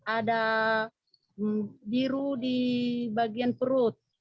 ada biru di bagian perut